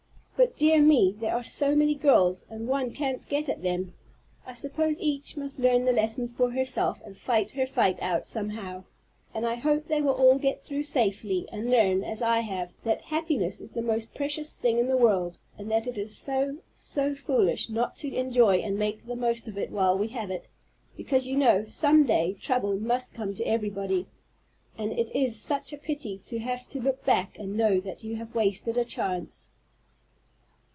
But, dear me, there are so many girls and one can't get at them! I suppose each must learn the lesson for herself and fight her fight out somehow, and I hope they will all get through safely, and learn, as I have, that happiness is the most precious thing in the world, and that it is so, so foolish not to enjoy and make the most of it while we have it. Because, you know, some day trouble must come to everybody. And it is such a pity to have to look back and know that you have wasted a chance."